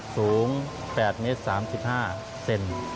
สูง๘เมตร๓๕เซนติเซน